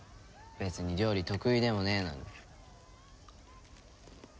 別に料理得意でもねえのに。